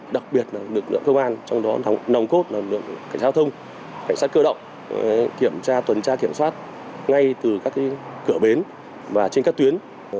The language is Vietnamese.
đặc biệt là nực lượng cơ quan trong đó nồng cốt là nực lượng cảnh sát thông cảnh sát cơ động kiểm tra tuần tra kiểm soát ngay từ các cửa bến và trên các tuyến